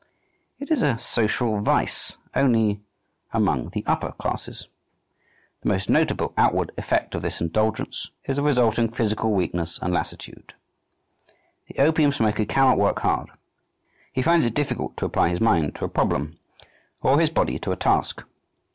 It is a social vice only among the upper classes. The most notable outward effect of this indulgence is the resulting physical weakness and lassitude. The opium smoker cannot work hard; he finds it difficult to apply his mind to a problem or his body to a task.